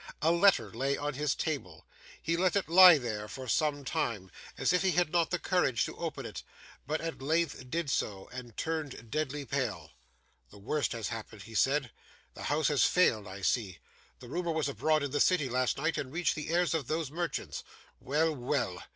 A letter lay on his table. He let it lie there for some time, as if he had not the courage to open it, but at length did so and turned deadly pale. 'The worst has happened,' he said; 'the house has failed. I see. The rumour was abroad in the city last night, and reached the ears of those merchants. Well, well!